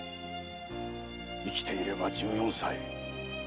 生きていれば十四歳。